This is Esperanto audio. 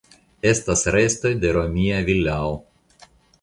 Estas restoj de romia vilao.